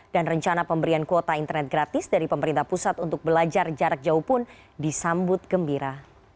dan rencana pemberian kuota internet gratis dari pemerintah pusat untuk belajar jarak jauh pun disambut gembira